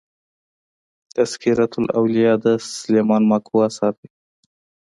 تذکرة الاولياء د سلېمان ماکو اثر دئ.